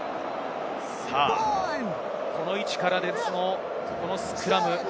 この位置から、このスクラム。